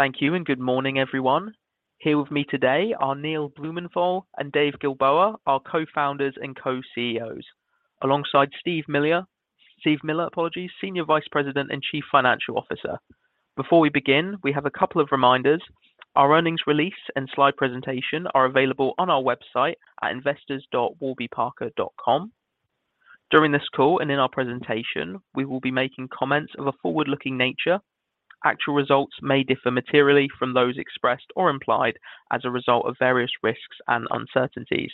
Thank you, and good morning, everyone. Here with me today are Neil Blumenthal and Dave Gilboa, our Co-Founders and Co-CEOs, alongside Steve Miller, apologies, Senior Vice President and Chief Financial Officer. Before we begin, we have a couple of reminders. Our earnings release and slide presentation are available on our website at investors.warbyparker.com. During this call and in our presentation, we will be making comments of a forward-looking nature. Actual results may differ materially from those expressed or implied as a result of various risks and uncertainties.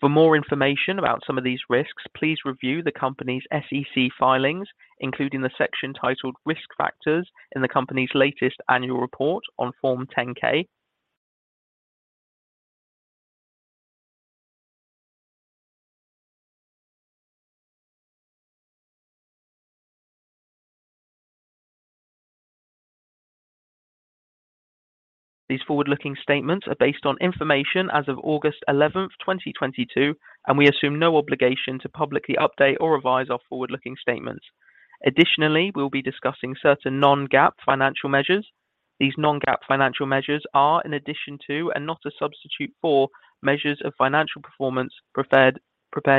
For more information about some of these risks, please review the company's SEC filings, including the section titled Risk Factors in the company's latest annual report on Form 10-K. These forward-looking statements are based on information as of August 11th, 2022, and we assume no obligation to publicly update or revise our forward-looking statements. Additionally, we'll be discussing certain non-GAAP financial measures. These non-GAAP financial measures are an addition to and not a substitute for measures of financial performance prepared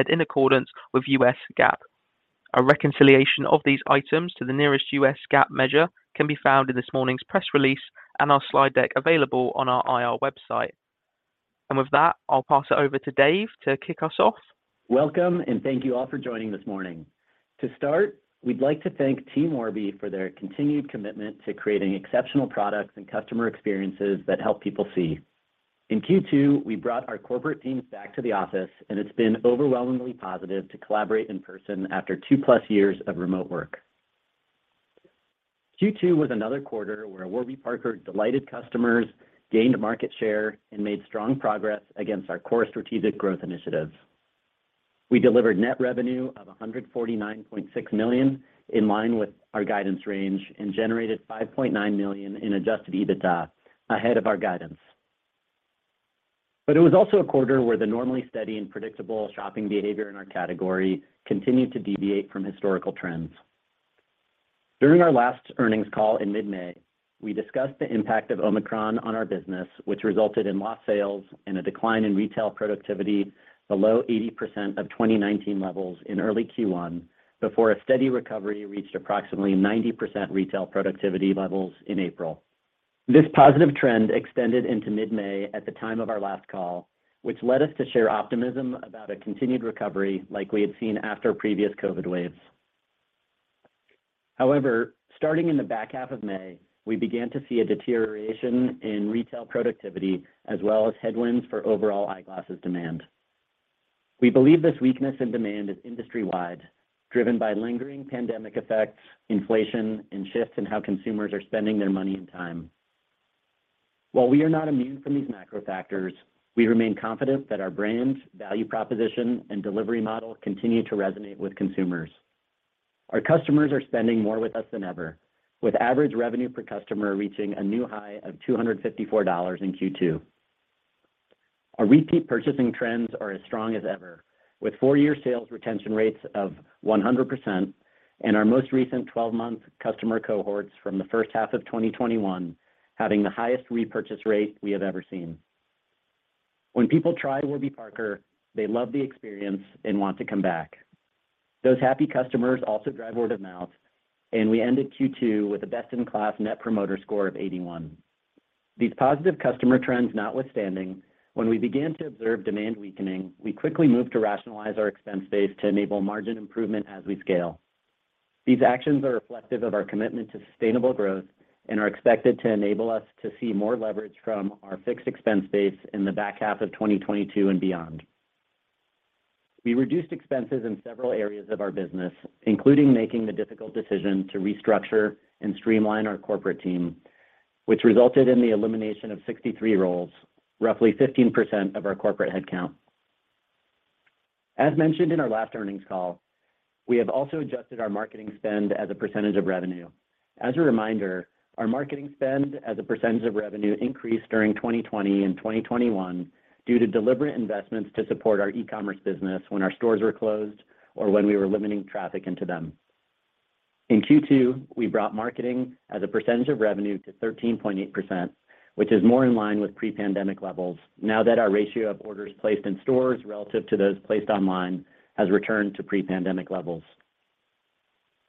in accordance with U.S. GAAP. A reconciliation of these items to the nearest U.S. GAAP measure can be found in this morning's press release and our slide deck available on our IR website. With that, I'll pass it over to Dave to kick us off. Welcome, and thank you all for joining this morning. To start, we'd like to thank Team Warby for their continued commitment to creating exceptional products and customer experiences that help people see. In Q2, we brought our corporate teams back to the office, and it's been overwhelmingly positive to collaborate in person after two-plus years of remote work. Q2 was another quarter where Warby Parker delighted customers, gained market share, and made strong progress against our core strategic growth initiatives. We delivered net revenue of $149.6 million in line with our guidance range and generated $5.9 million in adjusted EBITDA ahead of our guidance. It was also a quarter where the normally steady and predictable shopping behavior in our category continued to deviate from historical trends. During our last earnings call in mid-May, we discussed the impact of Omicron on our business, which resulted in lost sales and a decline in retail productivity below 80% of 2019 levels in early Q1 before a steady recovery reached approximately 90% retail productivity levels in April. This positive trend extended into mid-May at the time of our last call, which led us to share optimism about a continued recovery like we had seen after previous COVID waves. However, starting in the back half of May, we began to see a deterioration in retail productivity as well as headwinds for overall eyeglasses demand. We believe this weakness in demand is industry-wide, driven by lingering pandemic effects, inflation, and shifts in how consumers are spending their money and time. While we are not immune from these macro factors, we remain confident that our brand, value proposition, and delivery model continue to resonate with consumers. Our customers are spending more with us than ever, with average revenue per customer reaching a new high of $254 in Q2. Our repeat purchasing trends are as strong as ever, with four-year sales retention rates of 100% and our most recent 12-month customer cohorts from the first half of 2021 having the highest repurchase rate we have ever seen. When people try Warby Parker, they love the experience and want to come back. Those happy customers also drive word-of-mouth, and we ended Q2 with a best-in-class Net Promoter Score of 81. These positive customer trends notwithstanding, when we began to observe demand weakening, we quickly moved to rationalize our expense base to enable margin improvement as we scale. These actions are reflective of our commitment to sustainable growth and are expected to enable us to see more leverage from our fixed expense base in the back half of 2022 and beyond. We reduced expenses in several areas of our business, including making the difficult decision to restructure and streamline our corporate team, which resulted in the elimination of 63 roles, roughly 15% of our corporate headcount. As mentioned in our last earnings call, we have also adjusted our marketing spend as a percentage of revenue. As a reminder, our marketing spend as a percentage of revenue increased during 2020 and 2021 due to deliberate investments to support our e-commerce business when our stores were closed or when we were limiting traffic into them. In Q2, we brought marketing as a percentage of revenue to 13.8%, which is more in line with pre-pandemic levels now that our ratio of orders placed in stores relative to those placed online has returned to pre-pandemic levels.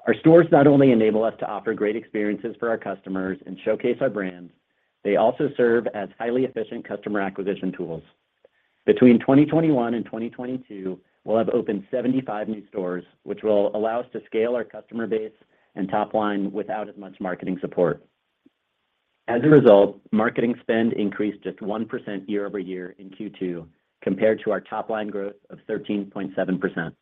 Our stores not only enable us to offer great experiences for our customers and showcase our brands, they also serve as highly efficient customer acquisition tools. Between 2021 and 2022, we'll have opened 75 new stores, which will allow us to scale our customer base and top line without as much marketing support. As a result, marketing spend increased just 1% year-over-year in Q2 compared to our top-line growth of 13.7%.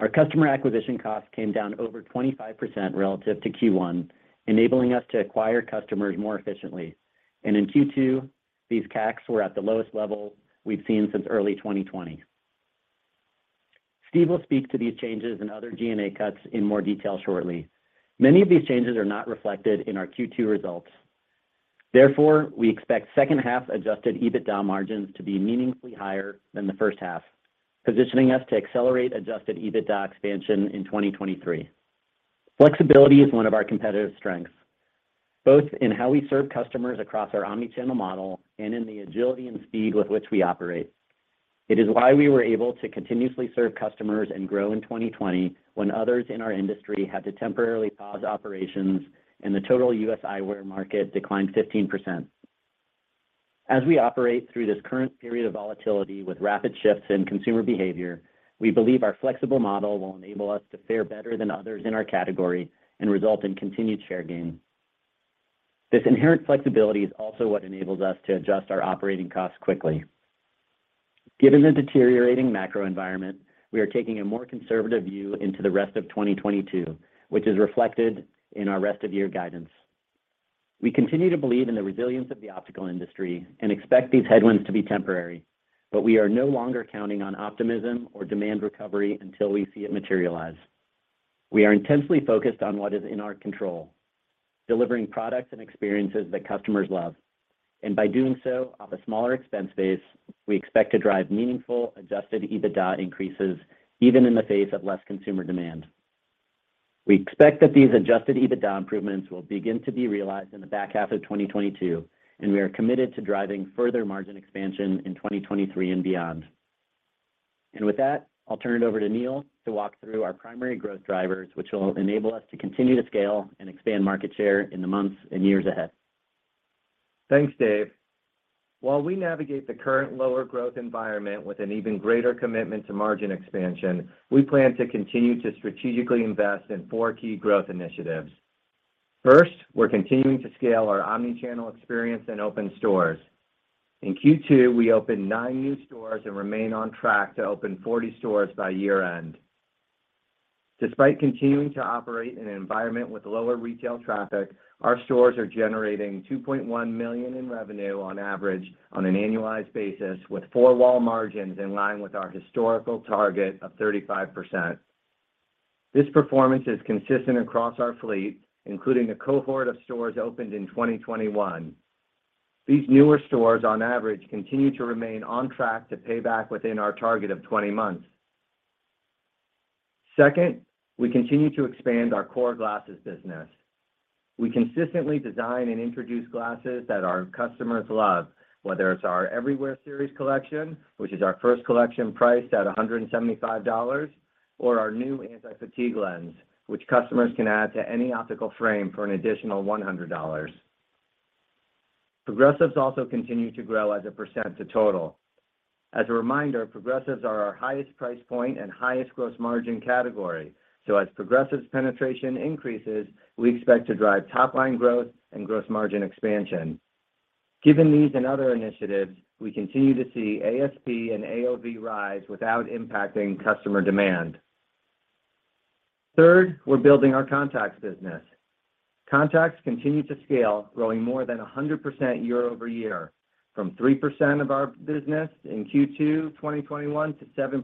Our customer acquisition costs came down over 25% relative to Q1, enabling us to acquire customers more efficiently. In Q2, these CACs were at the lowest level we've seen since early 2020. Steve will speak to these changes and other G&A cuts in more detail shortly. Many of these changes are not reflected in our Q2 results. Therefore, we expect second half adjusted EBITDA margins to be meaningfully higher than the first half, positioning us to accelerate adjusted EBITDA expansion in 2023. Flexibility is one of our competitive strengths, both in how we serve customers across our omni-channel model and in the agility and speed with which we operate. It is why we were able to continuously serve customers and grow in 2020, when others in our industry had to temporarily pause operations, and the total U.S. eyewear market declined 15%. As we operate through this current period of volatility with rapid shifts in consumer behavior, we believe our flexible model will enable us to fare better than others in our category and result in continued share gain. This inherent flexibility is also what enables us to adjust our operating costs quickly. Given the deteriorating macro environment, we are taking a more conservative view into the rest of 2022, which is reflected in our rest of year guidance. We continue to believe in the resilience of the optical industry and expect these headwinds to be temporary. We are no longer counting on optimism or demand recovery until we see it materialize. We are intensely focused on what is in our control, delivering products and experiences that customers love. By doing so off a smaller expense base, we expect to drive meaningful adjusted EBITDA increases even in the face of less consumer demand. We expect that these adjusted EBITDA improvements will begin to be realized in the back half of 2022, and we are committed to driving further margin expansion in 2023 and beyond. With that, I'll turn it over to Neil to walk through our primary growth drivers, which will enable us to continue to scale and expand market share in the months and years ahead. Thanks, Dave. While we navigate the current lower growth environment with an even greater commitment to margin expansion, we plan to continue to strategically invest in four key growth initiatives. First, we're continuing to scale our omni-channel experience in open stores. In Q2, we opened nine new stores and remain on track to open 40 stores by year-end. Despite continuing to operate in an environment with lower retail traffic, our stores are generating $2.1 million in revenue on average on an annualized basis, with four-wall margins in line with our historical target of 35%. This performance is consistent across our fleet, including a cohort of stores opened in 2021. These newer stores, on average, continue to remain on track to pay back within our target of 20 months. Second, we continue to expand our core glasses business. We consistently design and introduce glasses that our customers love, whether it's our Everywear Series collection, which is our first collection priced at $175, or our new Anti-Fatigue Lenses, which customers can add to any optical frame for an additional $100. Progressives also continue to grow as a percent of total. As a reminder, Progressives are our highest price point and highest gross margin category. As Progressives penetration increases, we expect to drive top line growth and gross margin expansion. Given these and other initiatives, we continue to see ASP and AOV rise without impacting customer demand. Third, we're building our contacts business. Contacts continue to scale, growing more than 100% year-over-year from 3% of our business in Q2 2021 to 7%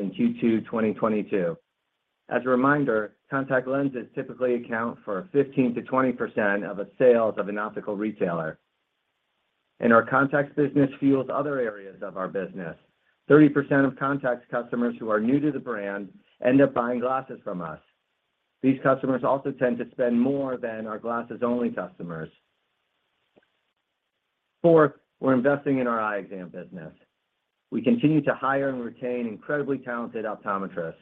in Q2 2022. As a reminder, contact lenses typically account for 15%-20% of the sales of an optical retailer. Our contacts business fuels other areas of our business. 30% of contacts customers who are new to the brand end up buying glasses from us. These customers also tend to spend more than our glasses-only customers. Fourth, we're investing in our eye exam business. We continue to hire and retain incredibly talented optometrists.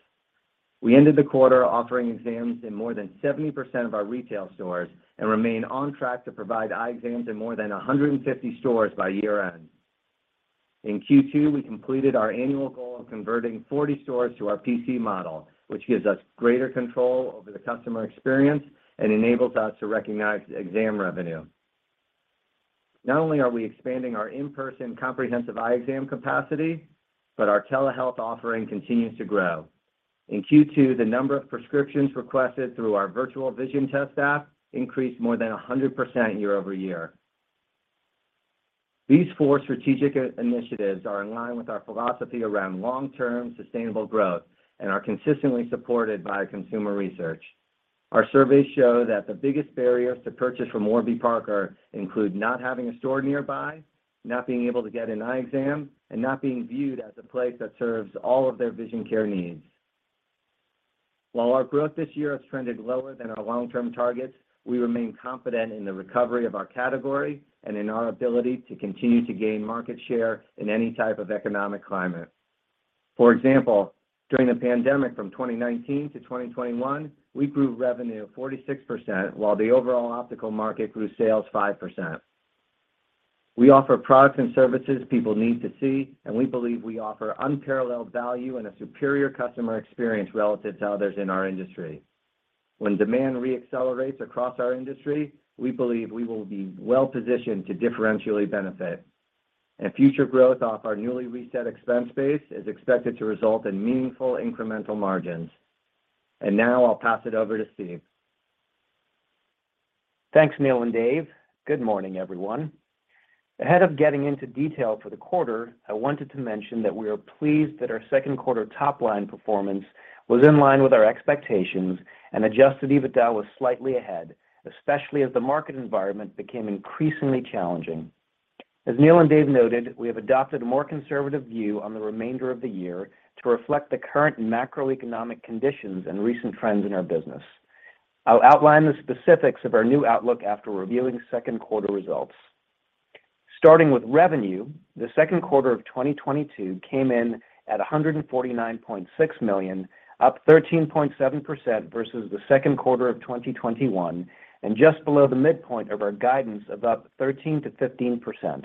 We ended the quarter offering exams in more than 70% of our retail stores and remain on track to provide eye exams in more than 150 stores by year-end. In Q2, we completed our annual goal of converting 40 stores to our PC model, which gives us greater control over the customer experience and enables us to recognize exam revenue. Not only are we expanding our in-person comprehensive eye exam capacity, but our telehealth offering continues to grow. In Q2, the number of prescriptions requested through our Virtual Vision Test app increased more than 100% year-over-year. These four strategic initiatives are in line with our philosophy around long-term sustainable growth and are consistently supported by consumer research. Our surveys show that the biggest barriers to purchase from Warby Parker include not having a store nearby, not being able to get an eye exam, and not being viewed as a place that serves all of their vision care needs. While our growth this year has trended lower than our long-term targets, we remain confident in the recovery of our category and in our ability to continue to gain market share in any type of economic climate. For example, during the pandemic from 2019 to 2021, we grew revenue 46%, while the overall optical market grew sales 5%. We offer products and services people need to see, and we believe we offer unparalleled value and a superior customer experience relative to others in our industry. When demand re-accelerates across our industry, we believe we will be well positioned to differentially benefit, and future growth off our newly reset expense base is expected to result in meaningful incremental margins. Now I'll pass it over to Steve. Thanks, Neil and Dave. Good morning, everyone. Ahead of getting into detail for the quarter, I wanted to mention that we are pleased that our second quarter top line performance was in line with our expectations and adjusted EBITDA was slightly ahead, especially as the market environment became increasingly challenging. As Neil and Dave noted, we have adopted a more conservative view on the remainder of the year to reflect the current macroeconomic conditions and recent trends in our business. I'll outline the specifics of our new outlook after reviewing second quarter results. Starting with revenue, the second quarter of 2022 came in at $149.6 million, up 13.7% versus the second quarter of 2021, and just below the midpoint of our guidance of up 13%-15%.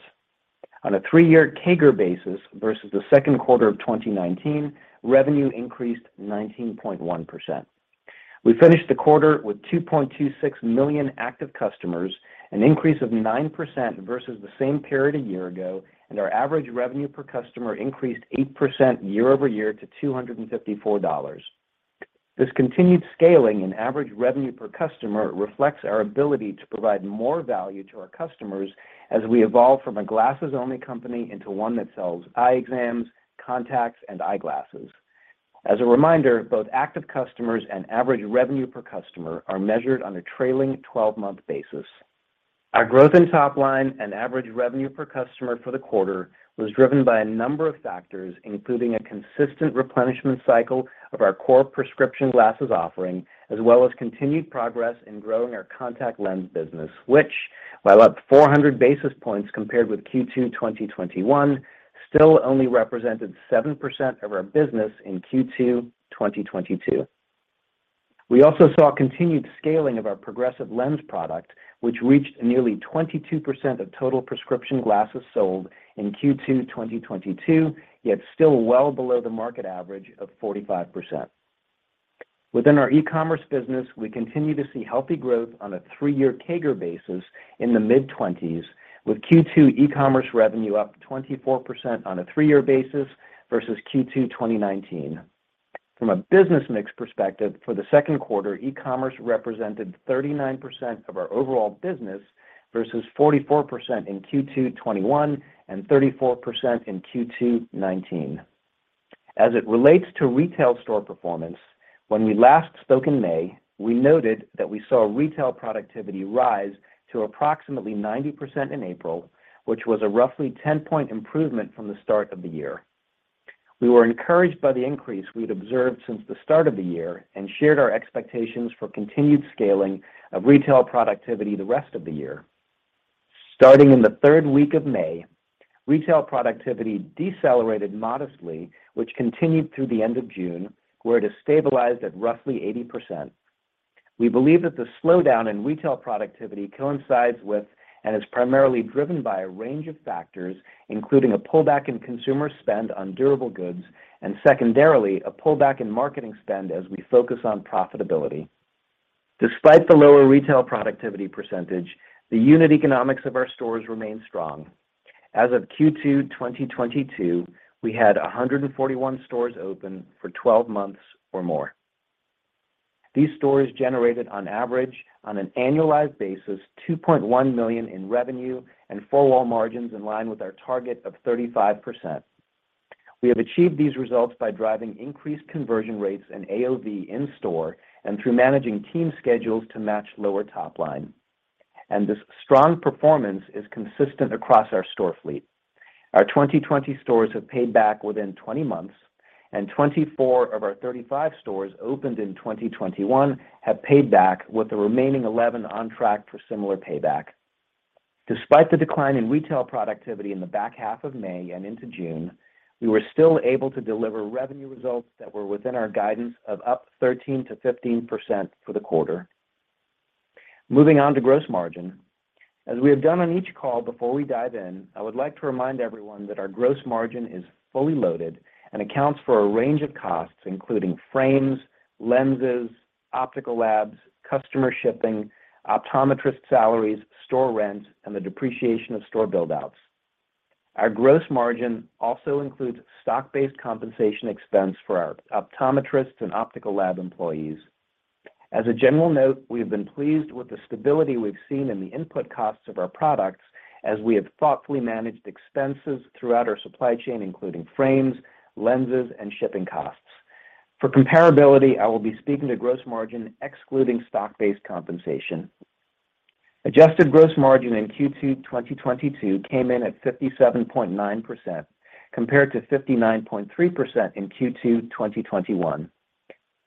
On a three-year CAGR basis versus the second quarter of 2019, revenue increased 19.1%. We finished the quarter with 2.26 million active customers, an increase of 9% versus the same period a year ago, and our average revenue per customer increased 8% year-over-year to $254. This continued scaling in average revenue per customer reflects our ability to provide more value to our customers as we evolve from a glasses-only company into one that sells eye exams, contacts, and eyeglasses. As a reminder, both active customers and average revenue per customer are measured on a trailing 12-month basis. Our growth in top line and average revenue per customer for the quarter was driven by a number of factors, including a consistent replenishment cycle of our core prescription glasses offering as well as continued progress in growing our contact lens business, which while up 400 basis points compared with Q2 2021 still only represented 7% of our business in Q2 2022. We also saw continued scaling of our progressive lens product, which reached nearly 22% of total prescription glasses sold in Q2 2022, yet still well below the market average of 45%. Within our e-commerce business, we continue to see healthy growth on a three-year CAGR basis in the mid-20s, with Q2 e-commerce revenue up 24% on a three-year basis versus Q2 2019. From a business mix perspective, for the second quarter, e-commerce represented 39% of our overall business versus 44% in Q2 2021 and 34% in Q2 2019. As it relates to retail store performance, when we last spoke in May, we noted that we saw retail productivity rise to approximately 90% in April, which was a roughly 10-percentage-point improvement from the start of the year. We were encouraged by the increase we'd observed since the start of the year and shared our expectations for continued scaling of retail productivity the rest of the year. Starting in the third week of May, retail productivity decelerated modestly, which continued through the end of June, where it has stabilized at roughly 80%. We believe that the slowdown in retail productivity coincides with and is primarily driven by a range of factors, including a pullback in consumer spend on durable goods and secondarily, a pullback in marketing spend as we focus on profitability. Despite the lower retail productivity percentage, the unit economics of our stores remain strong. As of Q2 2022, we had 141 stores open for 12 months or more. These stores generated on average on an annualized basis $2.1 million in revenue and four-wall margins in line with our target of 35%. We have achieved these results by driving increased conversion rates and AOV in store and through managing team schedules to match lower top line. This strong performance is consistent across our store fleet. Our 2020 stores have paid back within 20 months, and 24 of our 35 stores opened in 2021 have paid back with the remaining 11 on track for similar payback. Despite the decline in retail productivity in the back half of May and into June, we were still able to deliver revenue results that were within our guidance of up 13%-15% for the quarter. Moving on to gross margin. As we have done on each call before we dive in, I would like to remind everyone that our gross margin is fully loaded and accounts for a range of costs, including frames, lenses, optical labs, customer shipping, optometrist salaries, store rent, and the depreciation of store build outs. Our gross margin also includes stock-based compensation expense for our optometrists and optical lab employees. As a general note, we have been pleased with the stability we've seen in the input costs of our products as we have thoughtfully managed expenses throughout our supply chain, including frames, lenses, and shipping costs. For comparability, I will be speaking to gross margin excluding stock-based compensation. Adjusted gross margin in Q2 2022 came in at 57.9% compared to 59.3% in Q2 2021.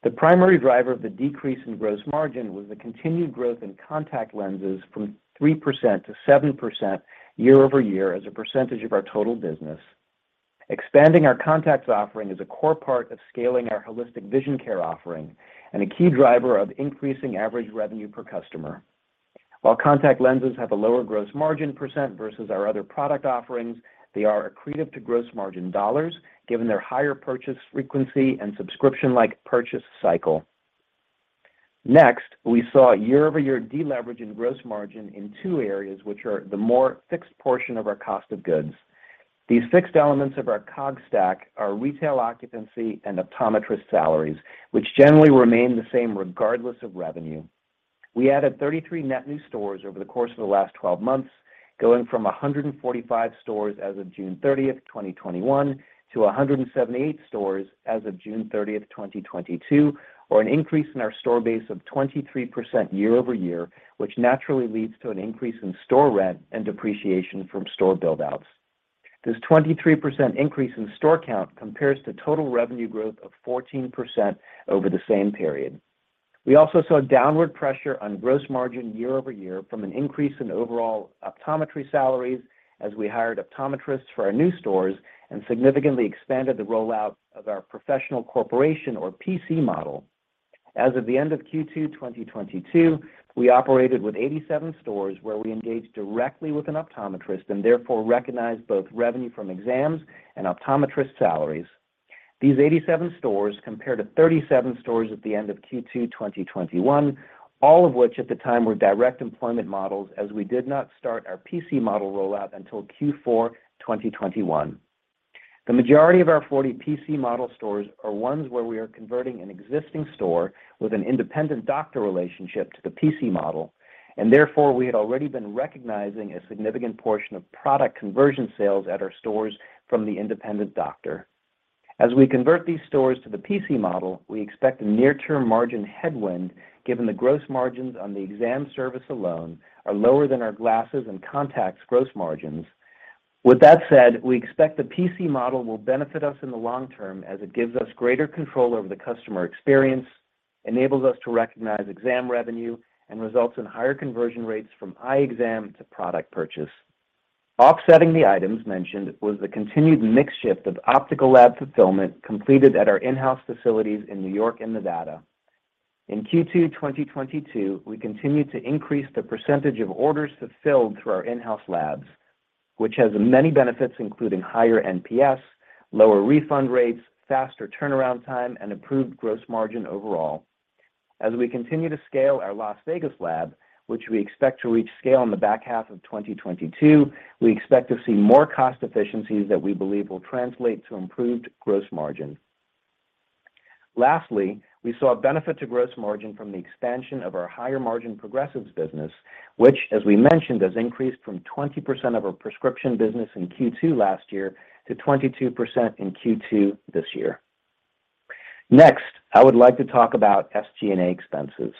The primary driver of the decrease in gross margin was the continued growth in contact lenses from 3% to 7% year-over-year as a percentage of our total business. Expanding our contacts offering is a core part of scaling our holistic vision care offering and a key driver of increasing average revenue per customer. While contact lenses have a lower gross margin percentage versus our other product offerings, they are accretive to gross margin dollars given their higher purchase frequency and subscription-like purchase cycle. Next, we saw year-over-year deleverage in gross margin in two areas which are the more fixed portion of our cost of goods. These fixed elements of our COGS stack are retail occupancy and optometrist salaries, which generally remain the same regardless of revenue. We added 33 net new stores over the course of the last 12 months, going from 145 stores as of June 30th, 2021, to 178 stores as of June 30th, 2022, or an increase in our store base of 23% year-over-year, which naturally leads to an increase in store rent and depreciation from store build outs. This 23% increase in store count compares to total revenue growth of 14% over the same period. We also saw downward pressure on gross margin year-over-year from an increase in overall optometry salaries as we hired optometrists for our new stores and significantly expanded the rollout of our professional corporation or PC model. As of the end of Q2 2022, we operated with 87 stores where we engaged directly with an optometrist, and therefore recognized both revenue from exams and optometrist salaries. These 87 stores compare to 37 stores at the end of Q2 2021, all of which at the time were direct employment models, as we did not start our PC model rollout until Q4 2021. The majority of our 40 PC model stores are ones where we are converting an existing store with an independent doctor relationship to the PC model, and therefore, we had already been recognizing a significant portion of product conversion sales at our stores from the independent doctor. As we convert these stores to the PC model, we expect a near-term margin headwind given the gross margins on the exam service alone are lower than our glasses and contacts gross margins. With that said, we expect the PC model will benefit us in the long term as it gives us greater control over the customer experience, enables us to recognize exam revenue, and results in higher conversion rates from eye exam to product purchase. Offsetting the items mentioned was the continued mix shift of optical lab fulfillment completed at our in-house facilities in New York and Nevada. In Q2 2022, we continued to increase the percentage of orders fulfilled through our in-house labs, which has many benefits, including higher NPS, lower refund rates, faster turnaround time, and improved gross margin overall. As we continue to scale our Las Vegas lab, which we expect to reach scale in the back half of 2022, we expect to see more cost efficiencies that we believe will translate to improved gross margin. Lastly, we saw a benefit to gross margin from the expansion of our higher margin Progressives business, which, as we mentioned, has increased from 20% of our prescription business in Q2 last year to 22% in Q2 this year. Next, I would like to talk about SG&A expenses.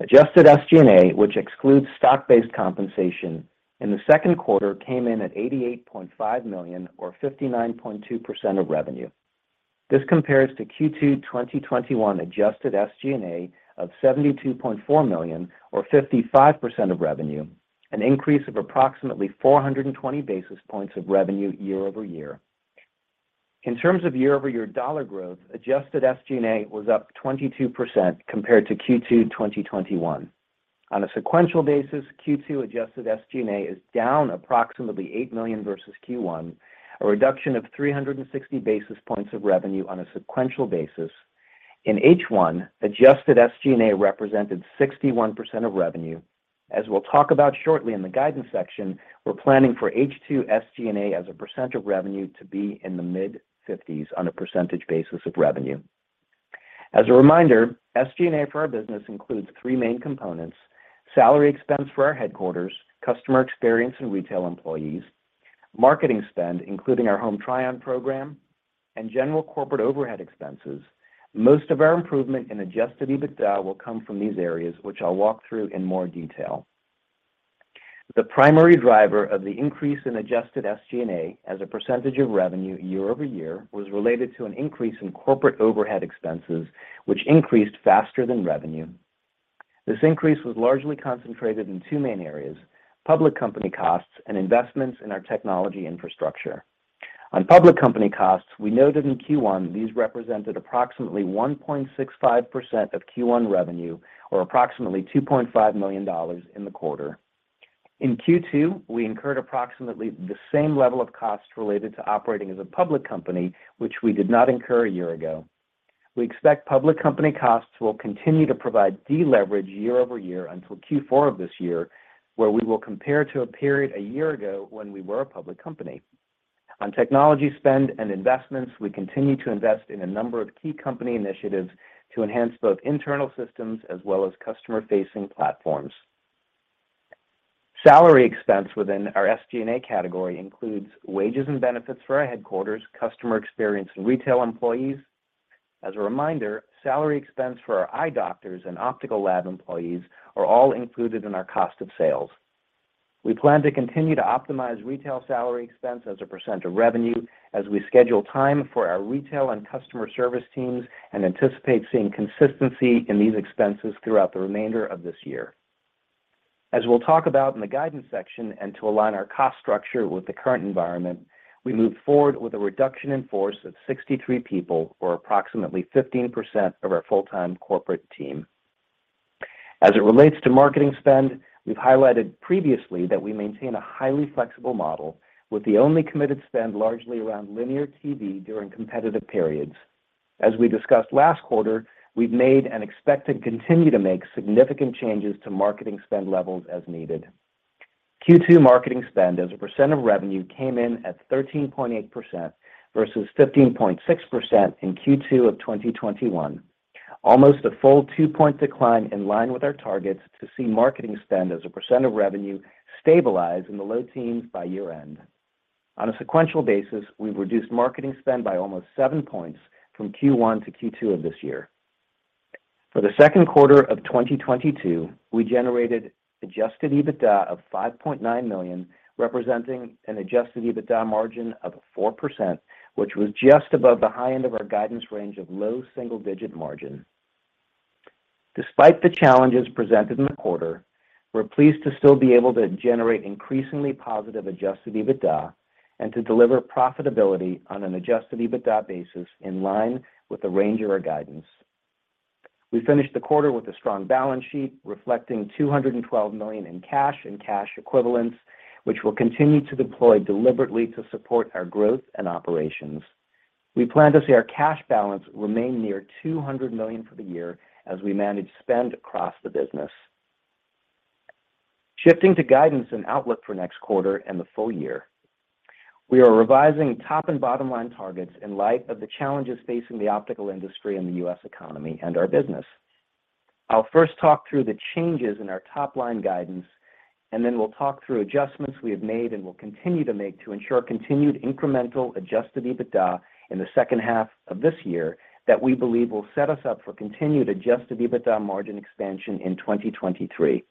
Adjusted SG&A, which excludes stock-based compensation in the second quarter, came in at $88.5 million or 59.2% of revenue. This compares to Q2 2021 adjusted SG&A of $72.4 million or 55% of revenue, an increase of approximately 420 basis points of revenue year-over-year. In terms of year-over-year dollar growth, adjusted SG&A was up 22% compared to Q2 2021. On a sequential basis, Q2 adjusted SG&A is down approximately $8 million versus Q1, a reduction of 360 basis points of revenue on a sequential basis. In H1, adjusted SG&A represented 61% of revenue. As we'll talk about shortly in the guidance section, we're planning for H2 SG&A as a percent of revenue to be in the mid-fifties on a percentage basis of revenue. As a reminder, SG&A for our business includes three main components, salary expense for our headquarters, customer experience and retail employees, marketing spend, including our Home Try-On program, and general corporate overhead expenses. Most of our improvement in adjusted EBITDA will come from these areas, which I'll walk through in more detail. The primary driver of the increase in adjusted SG&A as a percentage of revenue year-over-year was related to an increase in corporate overhead expenses, which increased faster than revenue. This increase was largely concentrated in two main areas, public company costs and investments in our technology infrastructure. On public company costs, we noted in Q1 these represented approximately 1.65% of Q1 revenue or approximately $2.5 million in the quarter. In Q2, we incurred approximately the same level of costs related to operating as a public company, which we did not incur a year ago. We expect public company costs will continue to provide deleverage year-over-year until Q4 of this year, where we will compare to a period a year ago when we were a public company. On technology spend and investments, we continue to invest in a number of key company initiatives to enhance both internal systems as well as customer facing platforms. Salary expense within our SG&A category includes wages and benefits for our headquarters, customer experience, and retail employees. As a reminder, salary expense for our eye doctors and optical lab employees are all included in our cost of sales. We plan to continue to optimize retail salary expense as a percent of revenue as we schedule time for our retail and customer service teams and anticipate seeing consistency in these expenses throughout the remainder of this year. As we'll talk about in the guidance section and to align our cost structure with the current environment, we moved forward with a reduction in force of 63 people or approximately 15% of our full-time corporate team. As it relates to marketing spend, we've highlighted previously that we maintain a highly flexible model with the only committed spend largely around linear TV during competitive periods. As we discussed last quarter, we've made and expect to continue to make significant changes to marketing spend levels as needed. Q2 marketing spend as a percent of revenue came in at 13.8% versus 15.6% in Q2 of 2021. Almost a full 2-percentage-point decline in line with our targets to see marketing spend as a percent of revenue stabilize in the low teens by year-end. On a sequential basis, we've reduced marketing spend by almost 7 percentage points from Q1 to Q2 of this year. For the second quarter of 2022, we generated adjusted EBITDA of $5.9 million, representing an adjusted EBITDA margin of 4%, which was just above the high end of our guidance range of low single-digit margin. Despite the challenges presented in the quarter, we're pleased to still be able to generate increasingly positive adjusted EBITDA and to deliver profitability on an adjusted EBITDA basis in line with the range of our guidance. We finished the quarter with a strong balance sheet reflecting $212 million in cash and cash equivalents, which we'll continue to deploy deliberately to support our growth and operations. We plan to see our cash balance remain near $200 million for the year as we manage spend across the business. Shifting to guidance and outlook for next quarter and the full year, we are revising top and bottom line targets in light of the challenges facing the optical industry and the U.S. economy and our business. I'll first talk through the changes in our top-line guidance, and then we'll talk through adjustments we have made and will continue to make to ensure continued incremental adjusted EBITDA in the second half of this year that we believe will set us up for continued adjusted EBITDA margin expansion in 2023.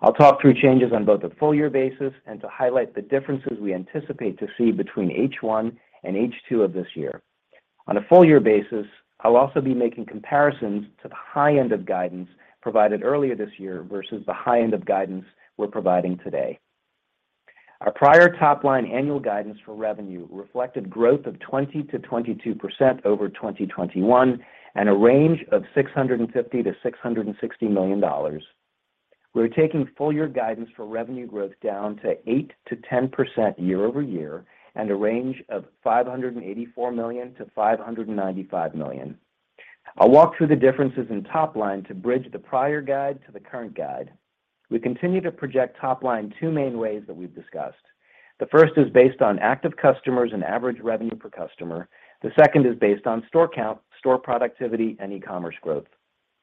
I'll talk through changes on both a full year basis and to highlight the differences we anticipate to see between H1 and H2 of this year. On a full year basis, I'll also be making comparisons to the high end of guidance provided earlier this year versus the high end of guidance we're providing today. Our prior top-line annual guidance for revenue reflected growth of 20%-22% over 2021 and a range of $650 million-$660 million. We're taking full year guidance for revenue growth down to 8%-10% year-over-year and a range of $584 million-$595 million. I'll walk through the differences in top line to bridge the prior guide to the current guide. We continue to project top line two main ways that we've discussed. The first is based on active customers and average revenue per customer. The second is based on store count, store productivity, and e-commerce growth.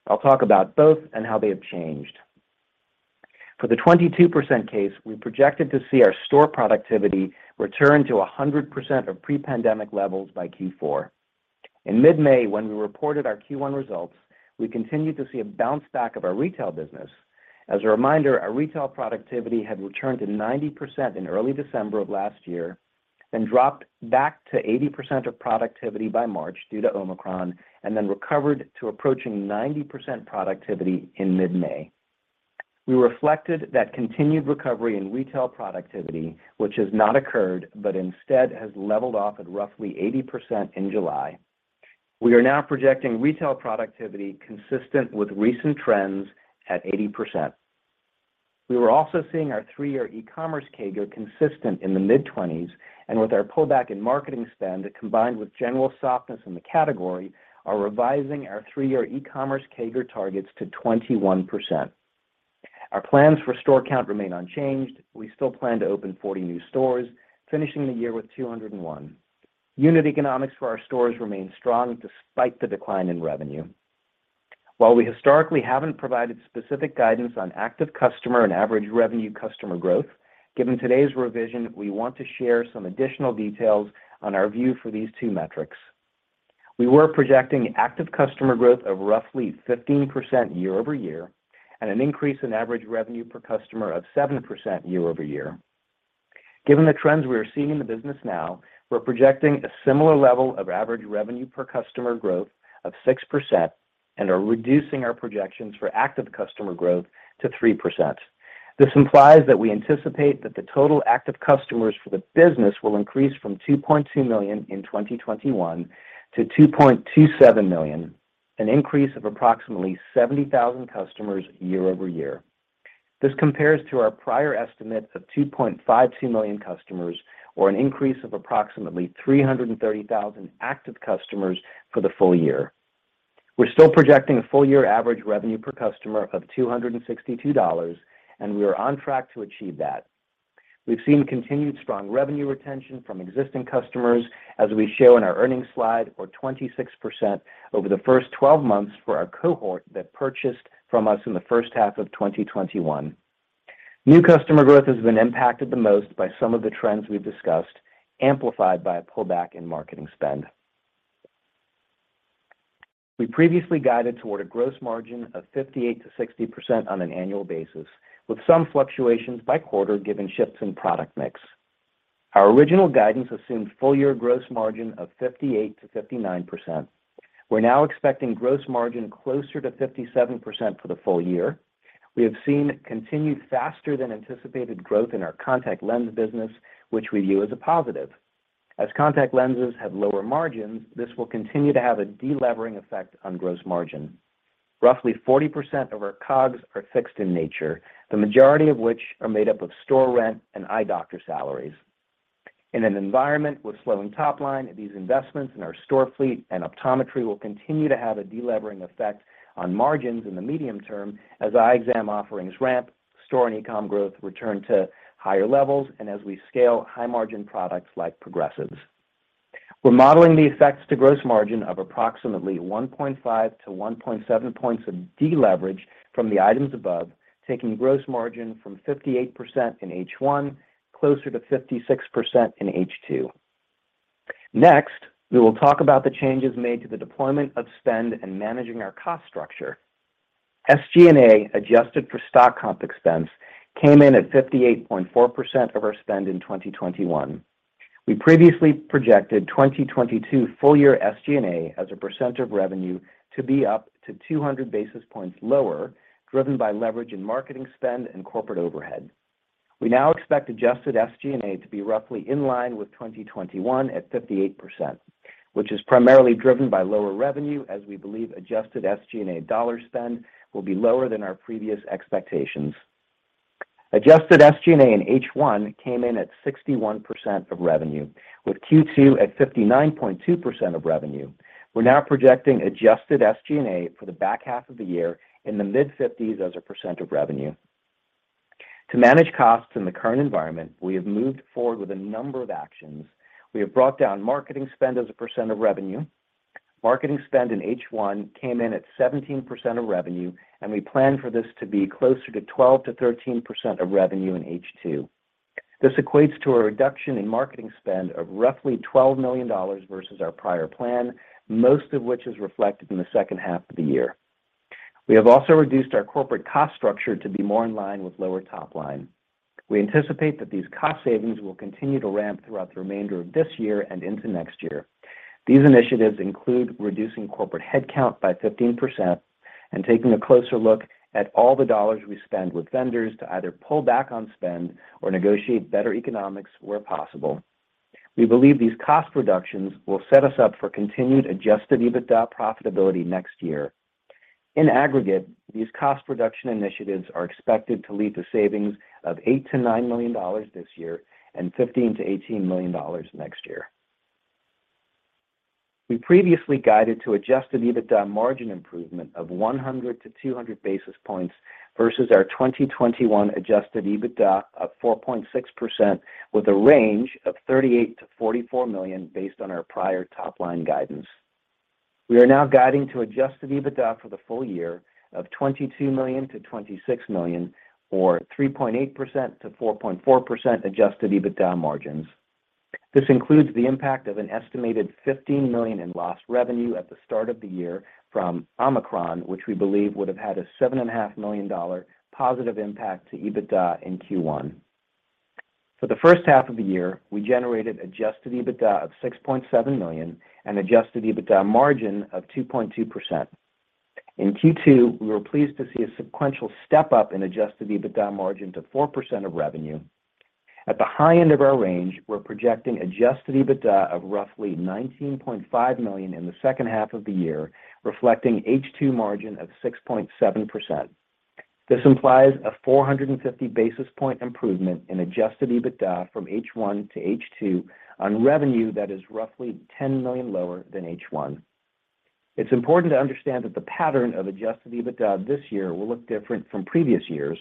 I'll talk about both and how they have changed. For the 22% case, we projected to see our store productivity return to 100% of pre-pandemic levels by Q4. In mid-May, when we reported our Q1 results, we continued to see a bounce back of our retail business. As a reminder, our retail productivity had returned to 90% in early December of last year, then dropped back to 80% of productivity by March due to Omicron, and then recovered to approaching 90% productivity in mid-May. We reflected that continued recovery in retail productivity, which has not occurred, but instead has leveled off at roughly 80% in July. We are now projecting retail productivity consistent with recent trends at 80%. We were also seeing our three-year e-commerce CAGR consistent in the mid-20%, and with our pullback in marketing spend combined with general softness in the category, are revising our three-year e-commerce CAGR targets to 21%. Our plans for store count remain unchanged. We still plan to open 40 new stores, finishing the year with 201 stores. Unit economics for our stores remain strong despite the decline in revenue. While we historically haven't provided specific guidance on active customer and average revenue customer growth, given today's revision, we want to share some additional details on our view for these two metrics. We were projecting active customer growth of roughly 15% year-over-year and an increase in average revenue per customer of 7% year-over-year. Given the trends we are seeing in the business now, we're projecting a similar level of average revenue per customer growth of 6% and are reducing our projections for active customer growth to 3%. This implies that we anticipate that the total active customers for the business will increase from 2.2 million in 2021 to 2.27 million, an increase of approximately 70,000 customers year-over-year. This compares to our prior estimate of 2.52 million customers or an increase of approximately 330,000 active customers for the full year. We're still projecting a full year average revenue per customer of $262, and we are on track to achieve that. We've seen continued strong revenue retention from existing customers, as we show in our earnings slide, of 26% over the first 12 months for our cohort that purchased from us in the first half of 2021. New customer growth has been impacted the most by some of the trends we've discussed, amplified by a pullback in marketing spend. We previously guided toward a gross margin of 58%-60% on an annual basis, with some fluctuations by quarter given shifts in product mix. Our original guidance assumed full year gross margin of 58%-59%. We're now expecting gross margin closer to 57% for the full year. We have seen continued faster than anticipated growth in our contact lens business, which we view as a positive. As contact lenses have lower margins, this will continue to have a delevering effect on gross margin. Roughly 40% of our COGS are fixed in nature, the majority of which are made up of store rent and eye doctor salaries. In an environment with slowing top line, these investments in our store fleet and optometry will continue to have a delevering effect on margins in the medium term as eye exam offerings ramp, store and e-commerce growth return to higher levels, and as we scale high-margin products like Progressives. We're modeling the effects to gross margin of approximately 1.5-1.7 percentage points of deleverage from the items above, taking gross margin from 58% in H1 closer to 56% in H2. Next, we will talk about the changes made to the deployment of spend and managing our cost structure. SG&A, adjusted for stock comp expense, came in at 58.4% of our spend in 2021. We previously projected 2022 full year SG&A as a percent of revenue to be up to 200 basis points lower, driven by leverage in marketing spend and corporate overhead. We now expect adjusted SG&A to be roughly in line with 2021 at 58%, which is primarily driven by lower revenue, as we believe adjusted SG&A dollar spend will be lower than our previous expectations. Adjusted SG&A in H1 came in at 61% of revenue, with Q2 at 59.2% of revenue. We're now projecting adjusted SG&A for the back half of the year in the mid-50s as a percent of revenue. To manage costs in the current environment, we have moved forward with a number of actions. We have brought down marketing spend as a percent of revenue. Marketing spend in H1 came in at 17% of revenue, and we plan for this to be closer to 12%-13% of revenue in H2. This equates to a reduction in marketing spend of roughly $12 million versus our prior plan, most of which is reflected in the second half of the year. We have also reduced our corporate cost structure to be more in line with lower top line. We anticipate that these cost savings will continue to ramp throughout the remainder of this year and into next year. These initiatives include reducing corporate headcount by 15% and taking a closer look at all the dollars we spend with vendors to either pull back on spend or negotiate better economics where possible. We believe these cost reductions will set us up for continued adjusted EBITDA profitability next year. In aggregate, these cost reduction initiatives are expected to lead to savings of $8 million-$9 million this year and $15 million-$18 million next year. We previously guided to adjusted EBITDA margin improvement of 100-200 basis points versus our 2021 adjusted EBITDA of 4.6% with a range of $38 million-$44 million based on our prior top-line guidance. We are now guiding to adjusted EBITDA for the full year of $22 million-$26 million or 3.8%-4.4% adjusted EBITDA margins. This includes the impact of an estimated $15 million in lost revenue at the start of the year from Omicron, which we believe would have had a $7.5 million positive impact on EBITDA in Q1. For the first half of the year, we generated adjusted EBITDA of $6.7 million and adjusted EBITDA margin of 2.2%. In Q2, we were pleased to see a sequential step-up in adjusted EBITDA margin to 4% of revenue. At the high end of our range, we're projecting adjusted EBITDA of roughly $19.5 million in the second half of the year, reflecting H2 margin of 6.7%. This implies a 450 basis point improvement in adjusted EBITDA from H1 to H2 on revenue that is roughly $10 million lower than H1. It's important to understand that the pattern of adjusted EBITDA this year will look different from previous years.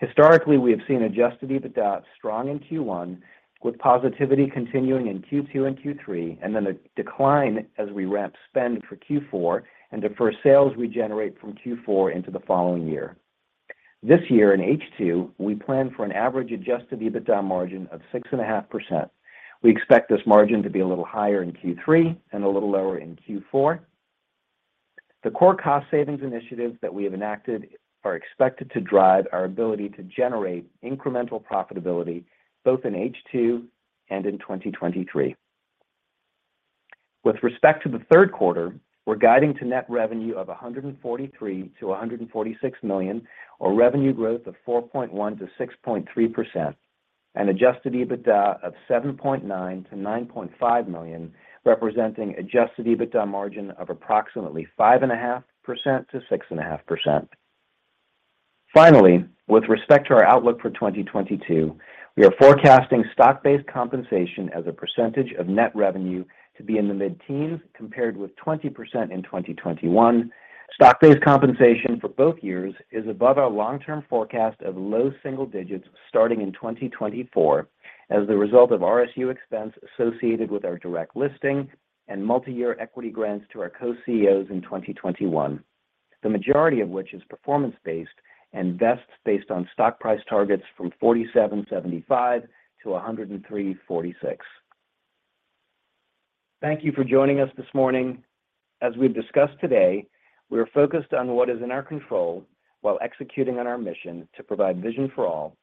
Historically, we have seen adjusted EBITDA strong in Q1 with positivity continuing in Q2 and Q3, and then a decline as we ramp spend for Q4 and defer sales we generate from Q4 into the following year. This year in H2, we plan for an average adjusted EBITDA margin of 6.5%. We expect this margin to be a little higher in Q3 and a little lower in Q4. The core cost savings initiatives that we have enacted are expected to drive our ability to generate incremental profitability both in H2 and in 2023. With respect to the third quarter, we're guiding to net revenue of $143 million-$146 million, or revenue growth of 4.1%-6.3%, and adjusted EBITDA of $7.9 million-$9.5 million, representing adjusted EBITDA margin of approximately 5.5%-6.5%. Finally, with respect to our outlook for 2022, we are forecasting stock-based compensation as a percentage of net revenue to be in the mid-teens compared with 20% in 2021. Stock-based compensation for both years is above our long-term forecast of low single digits starting in 2024 as the result of RSU expense associated with our direct listing and multi-year equity grants to our co-CEOs in 2021, the majority of which is performance-based and vests based on stock price targets from $47.75 to $103.46. Thank you for joining us this morning. As we've discussed today, we are focused on what is in our control while executing on our mission to provide vision for all.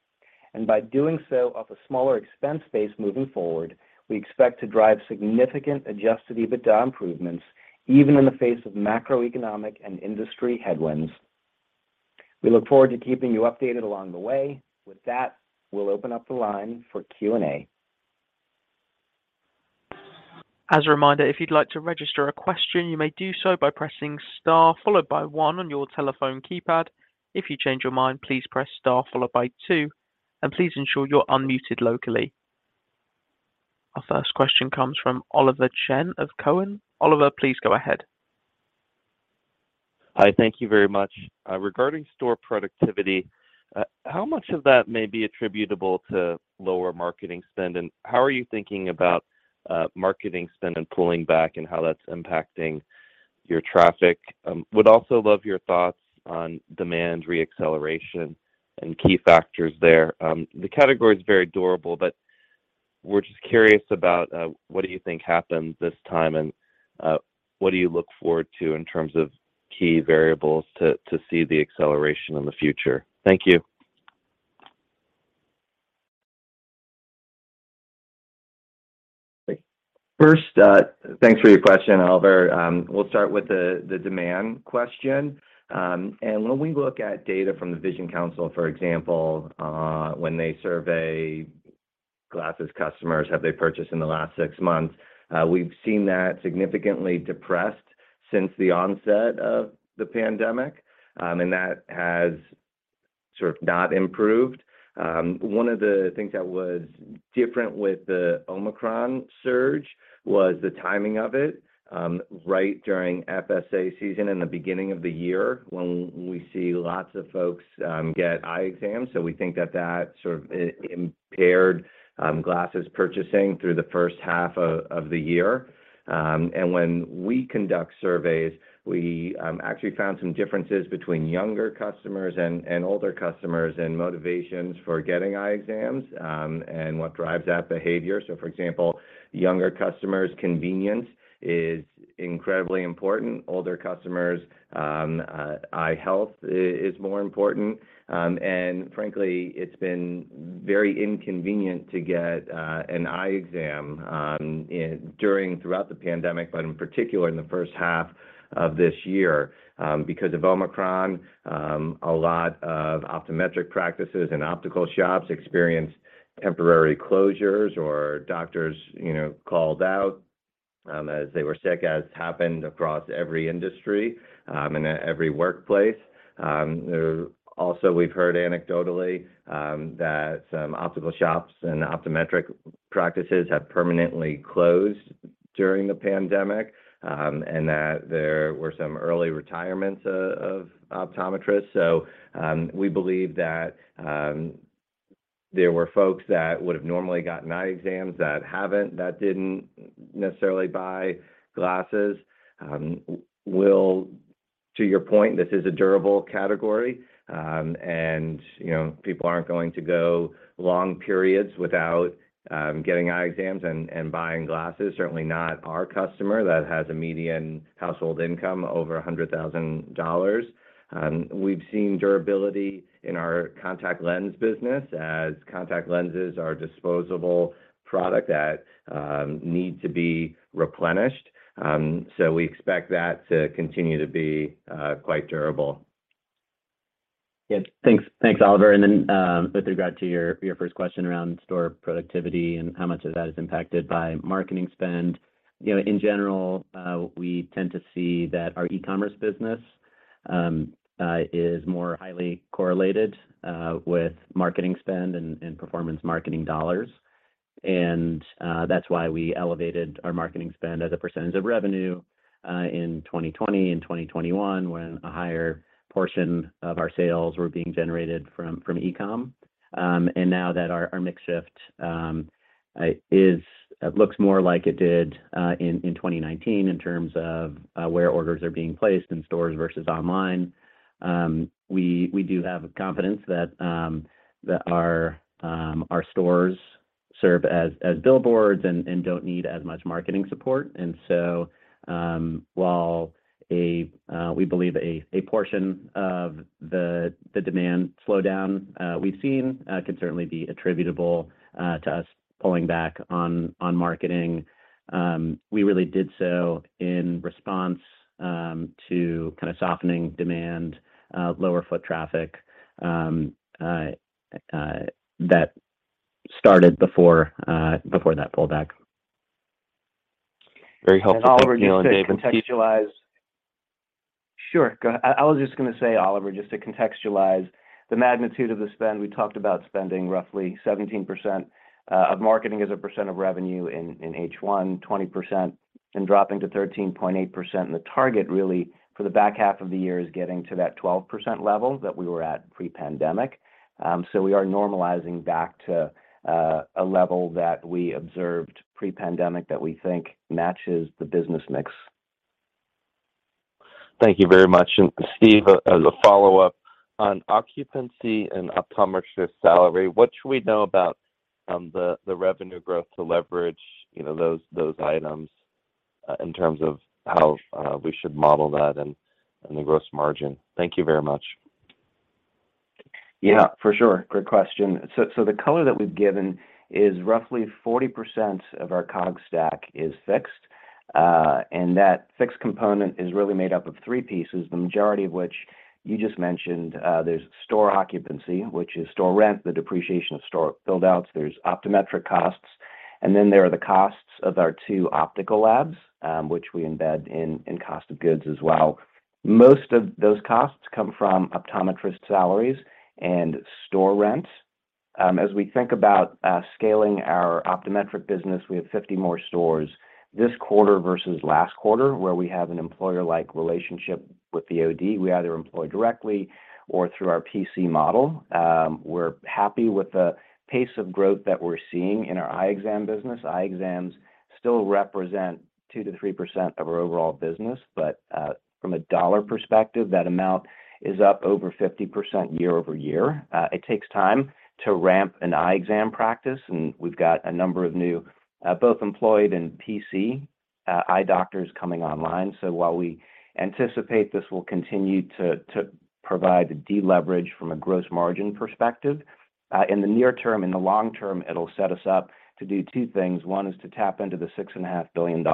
By doing so off a smaller expense base moving forward, we expect to drive significant adjusted EBITDA improvements even in the face of macroeconomic and industry headwinds. We look forward to keeping you updated along the way. With that, we'll open up the line for Q&A. As a reminder, if you'd like to register a question, you may do so by pressing star followed by one on your telephone keypad. If you change your mind, please press star followed by two, and please ensure you're unmuted locally. Our first question comes from Oliver Chen of Cowen. Oliver, please go ahead. Hi. Thank you very much. Regarding store productivity, how much of that may be attributable to lower marketing spend? How are you thinking about marketing spend and pulling back and how that's impacting your traffic? Would also love your thoughts on demand re-acceleration and key factors there. The category is very durable, but we're just curious about what do you think happened this time, and what do you look forward to in terms of key variables to see the acceleration in the future? Thank you. First, thanks for your question, Oliver. We'll start with the demand question. When we look at data from The Vision Council, for example, when they survey glasses customers, have they purchased in the last six months, we've seen that significantly depressed since the onset of the pandemic, and that has sort of not improved. One of the things that was different with the Omicron surge was the timing of it, right during FSA season in the beginning of the year when we see lots of folks get eye exams. We think that that sort of impaired glasses purchasing through the first half of the year. When we conduct surveys, we actually found some differences between younger customers and older customers and motivations for getting eye exams, and what drives that behavior. For example, younger customers, convenience is incredibly important. Older customers, eye health is more important. Frankly, it's been very inconvenient to get an eye exam throughout the pandemic, but in particular in the first half of this year. Because of Omicron, a lot of optometric practices and optical shops experienced temporary closures or doctors, you know, called out as they were sick, as happened across every industry and every workplace. Also, we've heard anecdotally that some optical shops and optometric practices have permanently closed during the pandemic and that there were some early retirements of optometrists. We believe that there were folks that would have normally gotten eye exams that haven't, that didn't necessarily buy glasses. Well, to your point, this is a durable category, and, you know, people aren't going to go long periods without getting eye exams and buying glasses, certainly not our customer that has a median household income over $100,000. We've seen durability in our contact lens business as contact lenses are a disposable product that need to be replenished. We expect that to continue to be quite durable. Yeah. Thanks, Oliver. With regard to your first question around store productivity and how much of that is impacted by marketing spend, you know, in general, we tend to see that our e-commerce business is more highly correlated with marketing spend and performance marketing dollars. That's why we elevated our marketing spend as a percentage of revenue in 2020 and 2021 when a higher portion of our sales were being generated from e-commerce. Now that our mix shift looks more like it did in 2019 in terms of where orders are being placed in stores versus online, we do have confidence that our stores serve as billboards and don't need as much marketing support. While we believe a portion of the demand slowdown we've seen could certainly be attributable to us pulling back on marketing. We really did so in response to kind of softening demand, lower foot traffic that started before that pullback. Very helpful, Neil and Dave. Oliver, just to contextualize. Sure. I was just gonna say, Oliver, just to contextualize the magnitude of the spend. We talked about spending roughly 17% on marketing as a percent of revenue in H1, 20%, and dropping to 13.8%. The target really for the back half of the year is getting to that 12% level that we were at pre-pandemic. We are normalizing back to a level that we observed pre-pandemic that we think matches the business mix. Thank you very much. Steve, as a follow-up, on occupancy and optometrist salary, what should we know about the revenue growth to leverage, you know, those items, in terms of how we should model that and the gross margin? Thank you very much. Yeah, for sure. Great question. The color that we've given is roughly 40% of our COGS stack is fixed. That fixed component is really made up of three pieces, the majority of which you just mentioned. There's store occupancy, which is store rent, the depreciation of store build-outs. There's optometric costs, and then there are the costs of our two optical labs, which we embed in cost of goods as well. Most of those costs come from optometrist salaries and store rent. As we think about scaling our optometric business, we have 50 more stores this quarter versus last quarter, where we have an employer-like relationship with the OD. We either employ directly or through our PC model. We're happy with the pace of growth that we're seeing in our eye exam business. Eye exams still represent 2%-3% of our overall business, but from a dollar perspective, that amount is up over 50% year-over-year. It takes time to ramp an eye exam practice, and we've got a number of new both employed and PC eye doctors coming online. While we anticipate this will continue to provide deleverage from a gross margin perspective in the near term, in the long term, it'll set us up to do two things. One is to tap into the $6.5 billion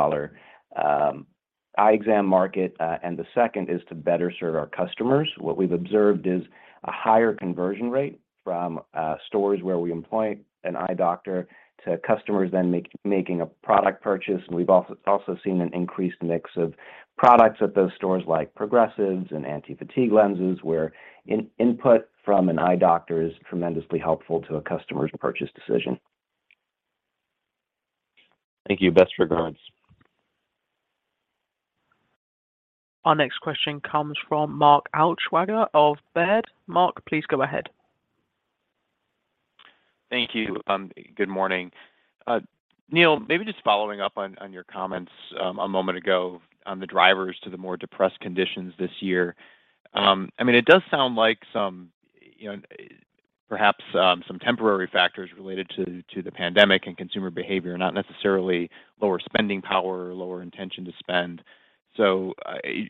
eye exam market, and the second is to better serve our customers. What we've observed is a higher conversion rate from stores where we employ an eye doctor to customers making a product purchase. We've also seen an increased mix of products at those stores, like Progressives and Anti-Fatigue Lenses, where input from an eye doctor is tremendously helpful to a customer's purchase decision. Thank you. Best regards. Our next question comes from Mark Altschwager of Baird. Mark, please go ahead. Thank you. Good morning. Neil, maybe just following up on your comments a moment ago on the drivers to the more depressed conditions this year. I mean, it does sound like some, you know, perhaps some temporary factors related to the pandemic and consumer behavior, not necessarily lower spending power or lower intention to spend. So,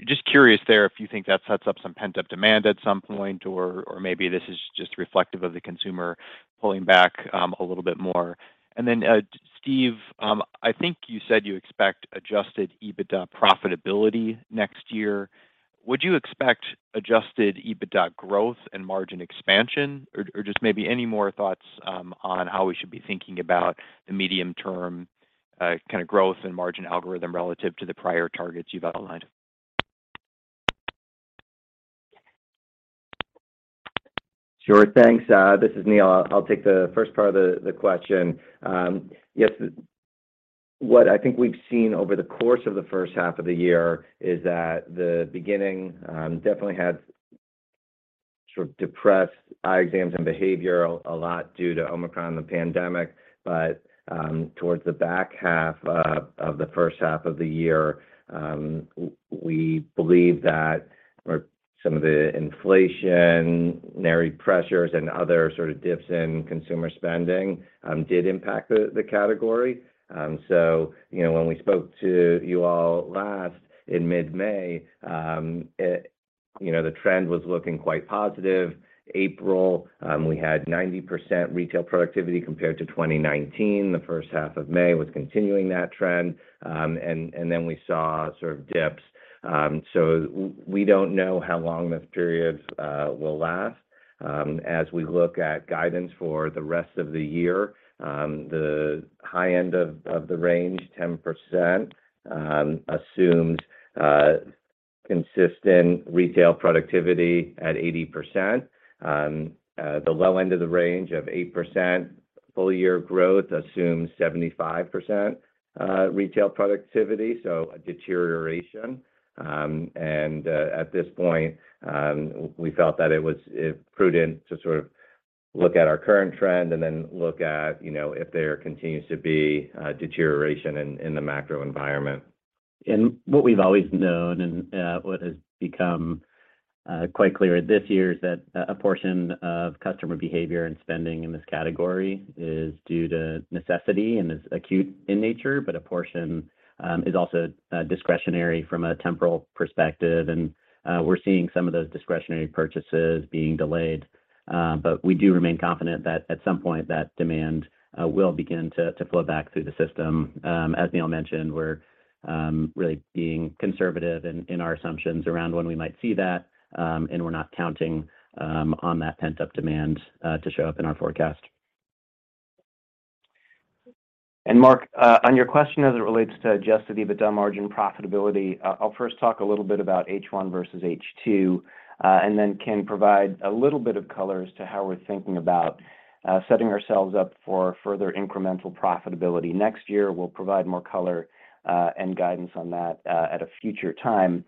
just curious there if you think that sets up some pent-up demand at some point or maybe this is just reflective of the consumer pulling back a little bit more. Then, Steve, I think you said you expect adjusted EBITDA profitability next year. Would you expect adjusted EBITDA growth and margin expansion? Just maybe any more thoughts on how we should be thinking about the medium-term kinda growth and margin algorithm relative to the prior targets you've outlined? Sure. Thanks. This is Neil. I'll take the first part of the question. Yes, what I think we've seen over the course of the first half of the year is that the beginning definitely had sort of depressed eye exams and behavior a lot due to Omicron and the pandemic. Towards the back half of the first half of the year, we believe that some of the inflationary pressures and other sort of dips in consumer spending did impact the category. You know, when we spoke to you all last in mid-May, it, you know, the trend was looking quite positive. April, we had 90% retail productivity compared to 2019. The first half of May was continuing that trend, and then we saw sort of dips. We don't know how long this period will last. As we look at guidance for the rest of the year, the high end of the range, 10%, assumes consistent retail productivity at 80%. The low end of the range of 8% full year growth assumes 75% retail productivity, so a deterioration. At this point, we felt that it was prudent to sort of look at our current trend and then look at, you know, if there continues to be deterioration in the macro environment. What we've always known and what has become quite clear this year is that a portion of customer behavior and spending in this category is due to necessity and is acute in nature, but a portion is also discretionary from a temporal perspective. We're seeing some of those discretionary purchases being delayed. We do remain confident that at some point that demand will begin to flow back through the system. As Neil mentioned, we're really being conservative in our assumptions around when we might see that, and we're not counting on that pent-up demand to show up in our forecast. Mark, on your question as it relates to adjusted EBITDA margin profitability, I'll first talk a little bit about H1 versus H2, and then can provide a little bit of color as to how we're thinking about setting ourselves up for further incremental profitability next year. We'll provide more color and guidance on that at a future time.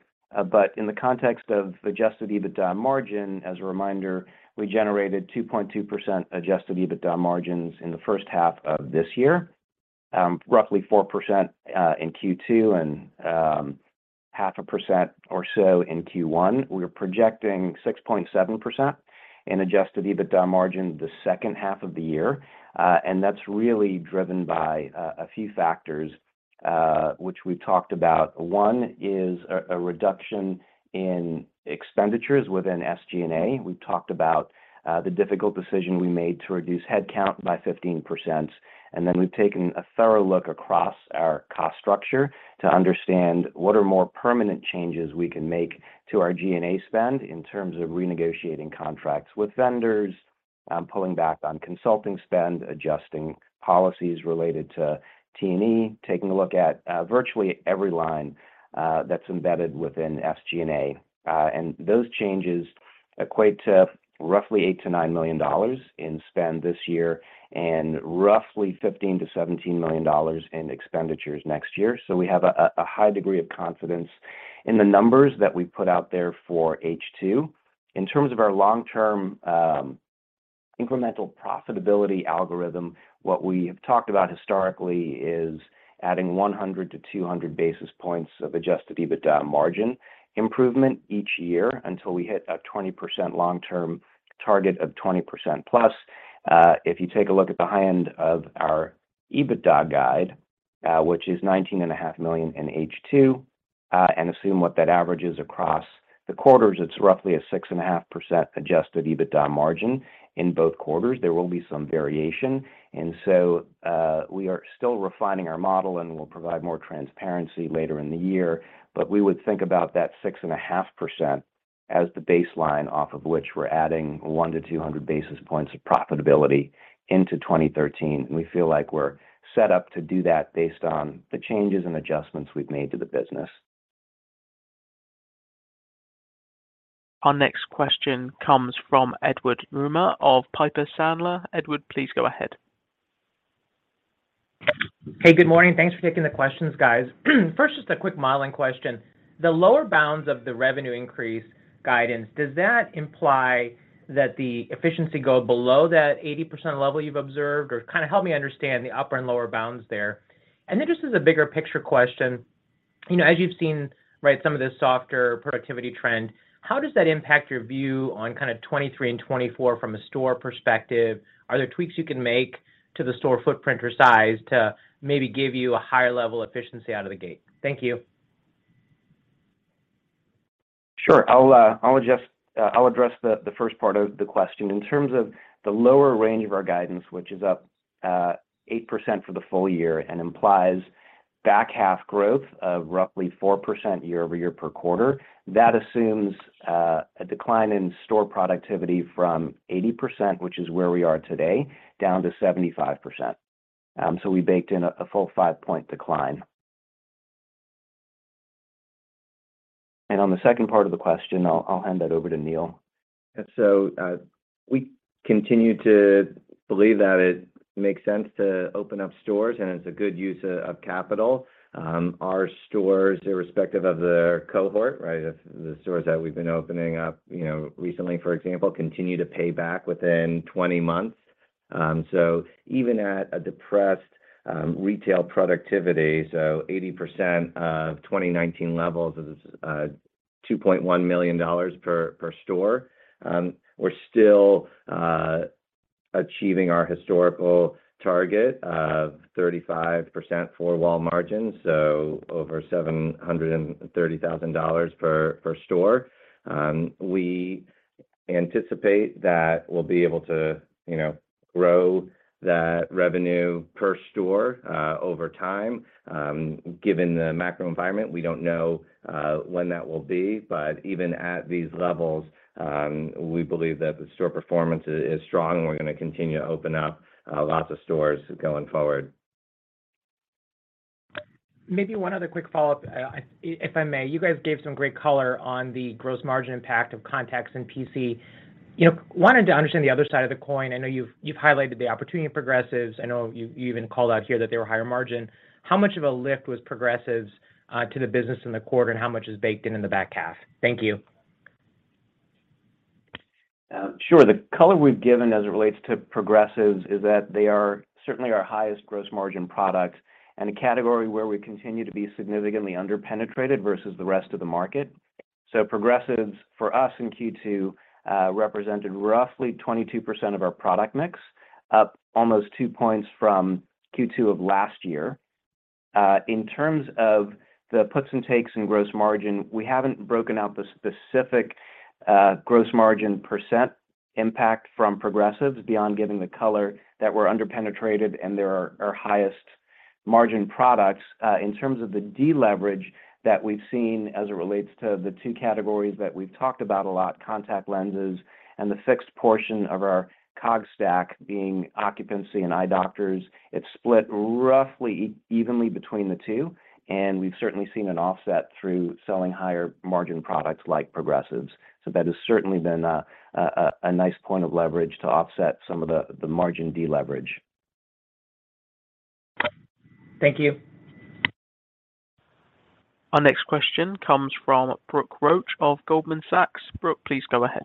In the context of adjusted EBITDA margin, as a reminder, we generated 2.2% adjusted EBITDA margins in the first half of this year, roughly 4% in Q2, and half a percent or so in Q1. We're projecting 6.7% in adjusted EBITDA margin the second half of the year, and that's really driven by a few factors, which we've talked about. One is a reduction in expenditures within SG&A. We've talked about the difficult decision we made to reduce headcount by 15%. Then we've taken a thorough look across our cost structure to understand what are more permanent changes we can make to our G&A spend in terms of renegotiating contracts with vendors, pulling back on consulting spend, adjusting policies related to T&E, taking a look at virtually every line that's embedded within SG&A. Those changes equate to roughly $8 million-$9 million in spend this year and roughly $15 million-$17 million in expenditures next year. We have a high degree of confidence in the numbers that we put out there for H2. In terms of our long-term, incremental profitability algorithm, what we have talked about historically is adding 100-200 basis points of adjusted EBITDA margin improvement each year until we hit a 20% long-term target of 20%+. If you take a look at the high end of our EBITDA guide, which is $19.5 million in H2, and assume what that average is across the quarters, it's roughly a 6.5% adjusted EBITDA margin in both quarters. There will be some variation. We are still refining our model, and we'll provide more transparency later in the year. We would think about that 6.5% as the baseline off of which we're adding 100-200 basis points of profitability into 2023. We feel like we're set up to do that based on the changes and adjustments we've made to the business. Our next question comes from Edward Yruma of Piper Sandler. Edward, please go ahead. Hey, good morning. Thanks for taking the questions, guys. First, just a quick modeling question. The lower bounds of the revenue increase guidance, does that imply that the efficiency go below that 80% level you've observed? Or kind of help me understand the upper and lower bounds there. Then just as a bigger picture question, you know, as you've seen, right, some of this softer productivity trend, how does that impact your view on kind of 2023 and 2024 from a store perspective? Are there tweaks you can make to the store footprint or size to maybe give you a higher level efficiency out of the gate? Thank you. Sure. I'll address the first part of the question. In terms of the lower range of our guidance, which is up 8% for the full year and implies back half growth of roughly 4% year-over-year per quarter, that assumes a decline in store productivity from 80%, which is where we are today, down to 75%. We baked in a full 5-percentage-point decline. On the second part of the question, I'll hand that over to Neil. We continue to believe that it makes sense to open up stores, and it's a good use of capital. Our stores, irrespective of their cohort, right, if the stores that we've been opening up, you know, recently, for example, continue to pay back within 20 months. Even at a depressed retail productivity, 80% of 2019 levels is $2.1 million per store, we're still achieving our historical target of 35% four-wall margin, so over $730,000 per store. We anticipate that we'll be able to, you know, grow that revenue per store over time. Given the macro environment, we don't know when that will be. Even at these levels, we believe that the store performance is strong, and we're gonna continue to open up lots of stores going forward. Maybe one other quick follow-up, if I may. You guys gave some great color on the gross margin impact of contacts in PC. You know, wanted to understand the other side of the coin. I know you've highlighted the opportunity in Progressives. I know you even called out here that they were higher margin. How much of a lift was Progressives to the business in the quarter, and how much is baked in the back half? Thank you. Sure. The color we've given as it relates to Progressives is that they are certainly our highest gross margin product and a category where we continue to be significantly underpenetrated versus the rest of the market. Progressives, for us in Q2, represented roughly 22% of our product mix, up almost two points from Q2 of last year. In terms of the puts and takes in gross margin, we haven't broken out the specific gross margin percentage impact from Progressives beyond giving the color that we're underpenetrated, and they're our highest margin products. In terms of the deleverage that we've seen as it relates to the two categories that we've talked about a lot, contact lenses and the fixed portion of our COGS stack being occupancy and eye doctors, it's split roughly evenly between the two, and we've certainly seen an offset through selling higher margin products like Progressives. That has certainly been a nice point of leverage to offset some of the margin deleverage. Thank you. Our next question comes from Brooke Roach of Goldman Sachs. Brooke, please go ahead.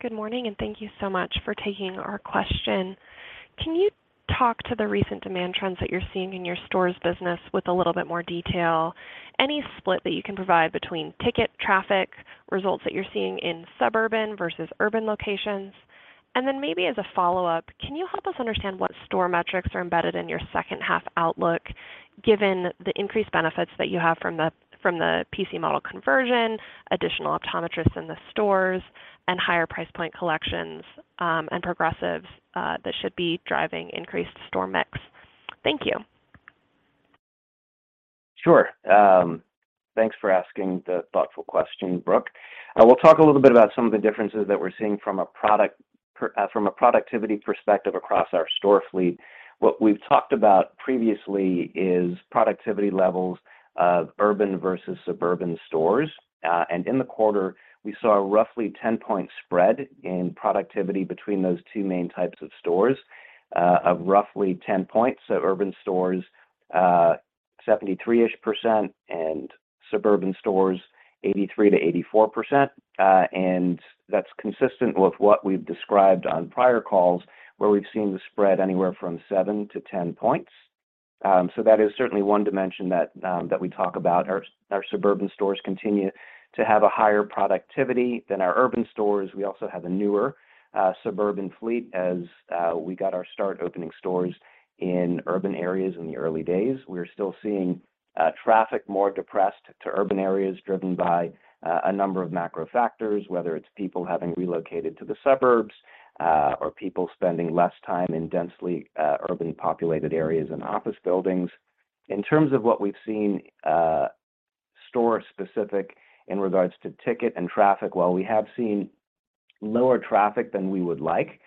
Good morning, and thank you so much for taking our question. Can you talk to the recent demand trends that you're seeing in your stores business with a little bit more detail? Any split that you can provide between ticket traffic results that you're seeing in suburban versus urban locations? Maybe as a follow-up, can you help us understand what store metrics are embedded in your second half outlook? Given the increased benefits that you have from the PC model conversion, additional optometrists in the stores, and higher price point collections, and Progressives, that should be driving increased store mix. Thank you. Sure. Thanks for asking the thoughtful question, Brooke. We'll talk a little bit about some of the differences that we're seeing from a productivity perspective across our store fleet. What we've talked about previously is productivity levels of urban versus suburban stores. In the quarter, we saw a roughly 10-point spread in productivity between those two main types of stores, of roughly 10 points. Urban stores, approximately 73%, and suburban stores 83%-84%. That's consistent with what we've described on prior calls, where we've seen the spread anywhere from 7 to 10 percentage points. That is certainly one dimension that we talk about. Our suburban stores continue to have a higher productivity than our urban stores. We also have a newer suburban fleet as we got our start opening stores in urban areas in the early days. We're still seeing traffic more depressed to urban areas driven by a number of macro factors, whether it's people having relocated to the suburbs or people spending less time in densely urban populated areas and office buildings. In terms of what we've seen, store specific in regards to ticket and traffic, while we have seen lower traffic than we would like,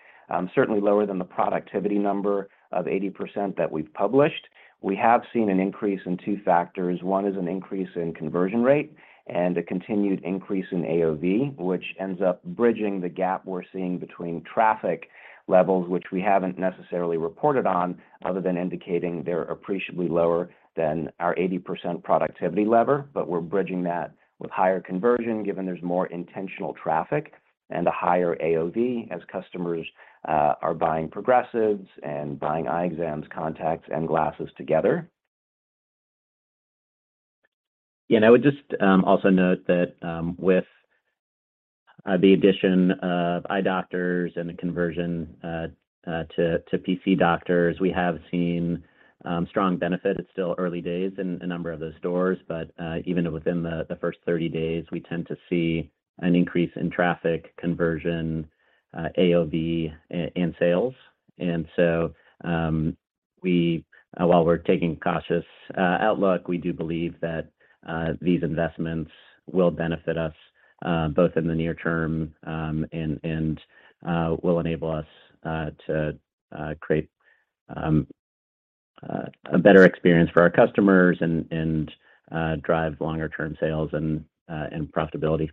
certainly lower than the productivity number of 80% that we've published, we have seen an increase in two factors. One is an increase in conversion rate and a continued increase in AOV, which ends up bridging the gap we're seeing between traffic levels, which we haven't necessarily reported on other than indicating they're appreciably lower than our 80% productivity lever. We're bridging that with higher conversion given there's more intentional traffic and a higher AOV as customers are buying Progressives and buying eye exams, contacts, and glasses together. Yeah. I would just also note that, with the addition of eye doctors and the conversion to PC doctors, we have seen strong benefit. It's still early days in a number of those stores, but even within the first 30 days, we tend to see an increase in traffic conversion, AOV, and sales. While we're taking cautious outlook, we do believe that these investments will benefit us both in the near term and will enable us to create a better experience for our customers and drive longer-term sales and profitability.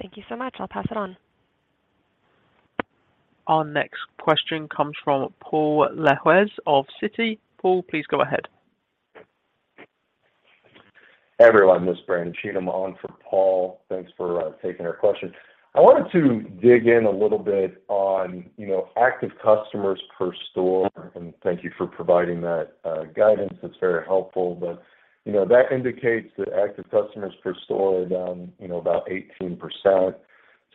Thank you so much. I'll pass it on. Our next question comes from Paul Lejuez of Citi. Paul, please go ahead. Hi, everyone. This is Brandon Cheatham on for Paul. Thanks for taking our question. I wanted to dig in a little bit on, you know, active customers per store, and thank you for providing that, guidance. That's very helpful. You know, that indicates that active customers per store are down, you know, about 18%.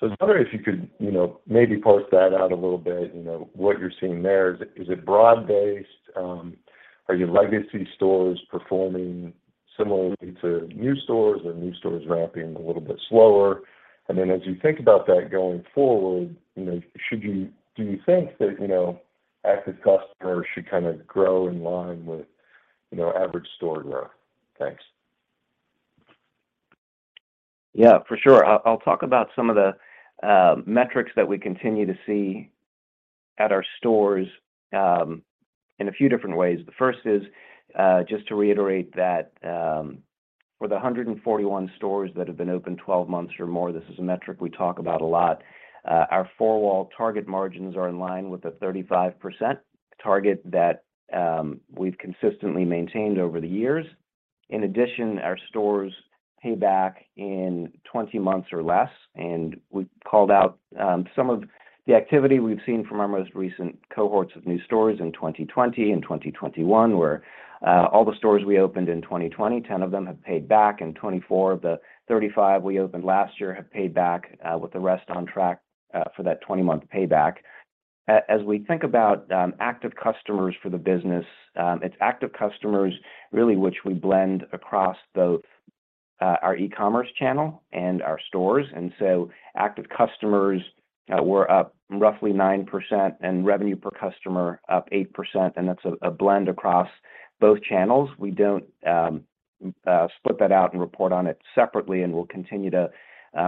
I was wondering if you could, you know, maybe parse that out a little bit, you know, what you're seeing there. Is it broad-based? Are your legacy stores performing similarly to new stores? Are new stores ramping a little bit slower? As you think about that going forward, you know, do you think that, you know, active customers should kind of grow in line with, you know, average store growth? Thanks. Yeah, for sure. I'll talk about some of the metrics that we continue to see at our stores in a few different ways. The first is just to reiterate that with the 141 stores that have been open 12 months or more, this is a metric we talk about a lot, our four-wall target margins are in line with the 35% target that we've consistently maintained over the years. In addition, our stores payback in 20 months or less, and we called out some of the activity we've seen from our most recent cohorts of new stores in 2020 and 2021, where all the stores we opened in 2020, 10 of them have paid back, and 24 of the 35 we opened last year have paid back, with the rest on track for that 20-month payback. As we think about active customers for the business, it's active customers really which we blend across both our e-commerce channel and our stores. Active customers were up roughly 9% and revenue per customer up 8%, and that's a blend across both channels. We don't split that out and report on it separately, and we'll continue to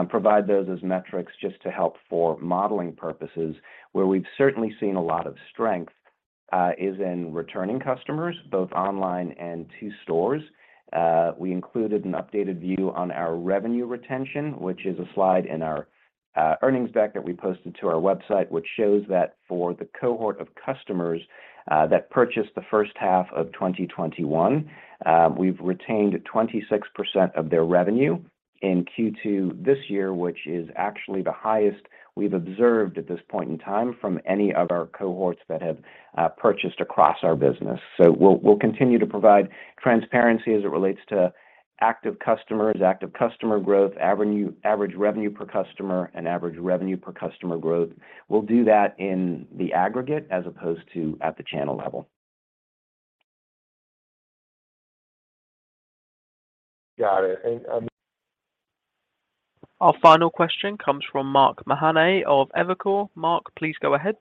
provide those as metrics just to help for modeling purposes. Where we've certainly seen a lot of strength is in returning customers, both online and to stores. We included an updated view on our revenue retention, which is a slide in our earnings deck that we posted to our website, which shows that for the cohort of customers that purchased the first half of 2021, we've retained 26% of their revenue in Q2 this year, which is actually the highest we've observed at this point in time from any of our cohorts that have purchased across our business. We'll continue to provide transparency as it relates to Active customers, active customer growth, AOV, average revenue per customer, and average revenue per customer growth. We'll do that in the aggregate as opposed to at the channel level. Got it. Our final question comes from Mark Mahaney of Evercore. Mark, please go ahead.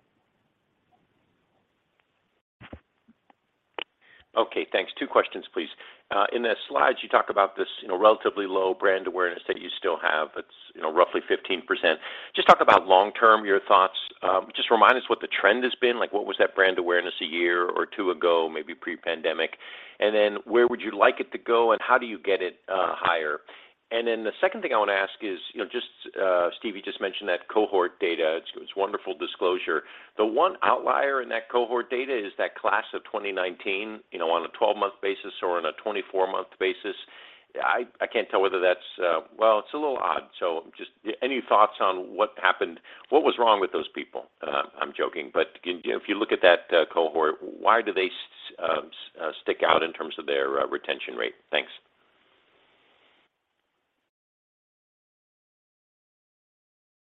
Okay, thanks. Two questions, please. In the slides, you talk about this, you know, relatively low brand awareness that you still have. It's, you know, roughly 15%. Just talk about long term, your thoughts. Just remind us what the trend has been. Like, what was that brand awareness a year or two ago, maybe pre-pandemic? And then where would you like it to go, and how do you get it higher? And then the second thing I wanna ask is, you know, just, Steve, you just mentioned that cohort data. It's wonderful disclosure. The one outlier in that cohort data is that class of 2019, you know, on a 12-month basis or on a 24-month basis. I can't tell whether that's. Well, it's a little odd, so just any thoughts on what happened? What was wrong with those people? I'm joking, but you know, if you look at that cohort, why do they stick out in terms of their retention rate? Thanks.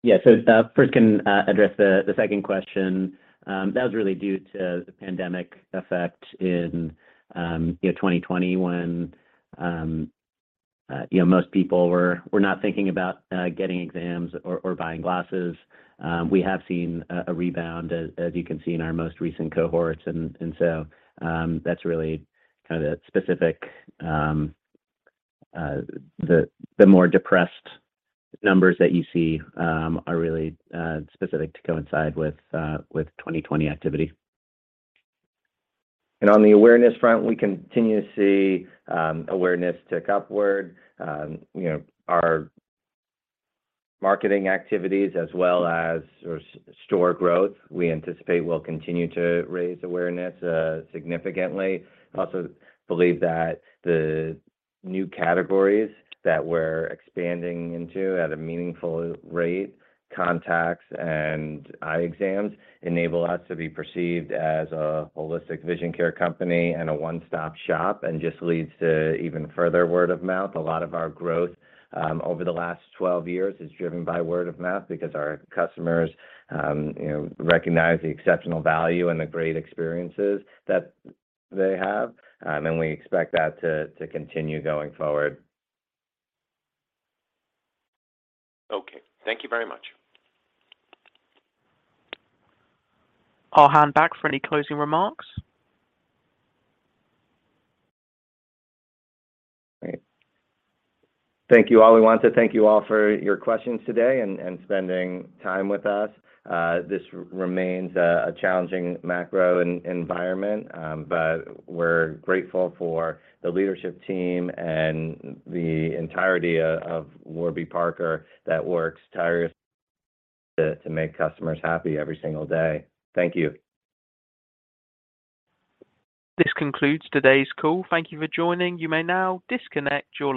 Yeah. First, I can address the second question. That was really due to the pandemic effect in you know 2020 when you know most people were not thinking about getting exams or buying glasses. We have seen a rebound as you can see in our most recent cohorts. That's really kinda the specific the more depressed numbers that you see are really specific to coincide with 2020 activity. On the awareness front, we continue to see awareness tick upward. You know, our marketing activities as well as store growth, we anticipate will continue to raise awareness significantly. We also believe that the new categories that we're expanding into at a meaningful rate, contacts and eye exams, enable us to be perceived as a holistic vision care company and a one-stop shop, and just leads to even further word-of-mouth. A lot of our growth over the last 12 years is driven by word-of-mouth because our customers, you know, recognize the exceptional value and the great experiences that they have. We expect that to continue going forward. Okay. Thank you very much. I'll hand back for any closing remarks. Great. Thank you all. We want to thank you all for your questions today and spending time with us. This remains a challenging macro environment, but we're grateful for the leadership team and the entirety of Warby Parker that works tirelessly to make customers happy every single day. Thank you. This concludes today's call. Thank you for joining. You may now disconnect your line.